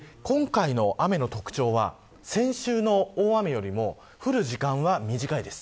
今回の雨の特徴は先週の大雨よりも降る時間は短いです。